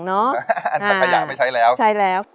อันนี้ขยะไม่ใช้แล้ว